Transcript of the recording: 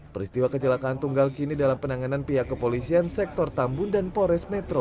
peristiwa kecelakaan tunggal kini dalam penanganan pihak kepolisian sektor tambun dan pores metro